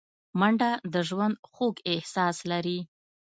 منډه د ژوند خوږ احساس لري